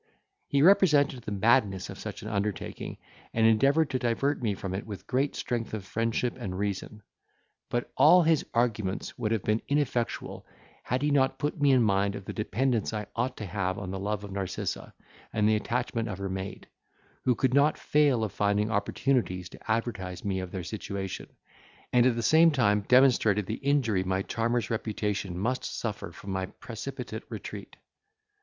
He represented the madness of such an undertaking, and endeavoured to divert me from it with great strength of friendship and reason. But all his arguments would have been ineffectual, had he not put me in mind of the dependence I ought to have on the love of Narcissa, and the attachment of her maid, who could not fail of finding opportunities to advertise me of their situation; and at the same time demonstrated the injury my charmer's reputation must suffer from my precipitate retreat.